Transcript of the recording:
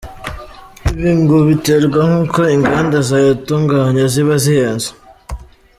Ibi ngo biterwa n’uko inganda ziyatunganya ziba zihenze.